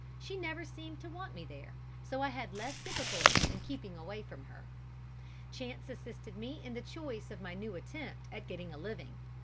She never seemed to want me there, so I had less difficulty in keeping away from her. Chance assisted me in the choice of my new attempt at getting a living.